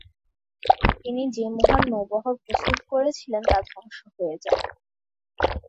তিনি যে মহান নৌবহর প্রস্তুত করেছিলেন তা ধ্বংস হয়ে যায়।